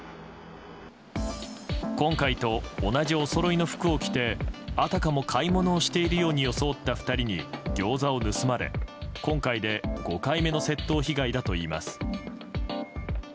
今回と同じおそろいの服を着てあたかも買い物をしているように装った２人にギョーザを盗まれ今回で５回目の窃盗被害だといいます。